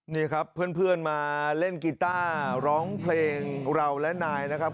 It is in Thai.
นี่ครับเพื่อนมาเล่นกีต้าร้องเพลงเราและนายนะครับ